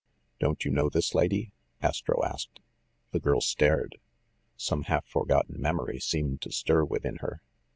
"Don't you know this lady ?" Astro asked. The girl stared. Some half forgotten memory seemed to stir within her.